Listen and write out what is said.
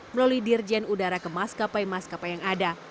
melalui dirjen udara ke maskapai maskapai yang ada